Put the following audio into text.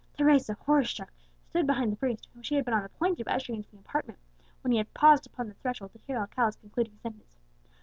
Teresa, horror struck, stood behind the priest, whom she had been on the point of ushering into the apartment, when he had paused upon the threshold to hear Alcala's concluding sentence.